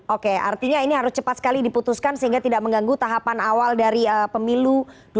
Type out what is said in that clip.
oke artinya ini harus cepat sekali diputuskan sehingga tidak mengganggu tahapan awal dari pemilu dua ribu sembilan belas